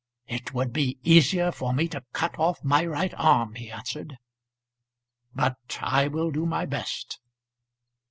"It would be easier for me to cut off my right arm," he answered; "but I will do my best."